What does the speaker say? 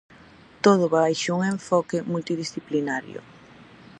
Todo baixo un enfoque multidisciplinario.